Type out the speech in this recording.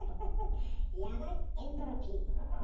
やばいエントロピー。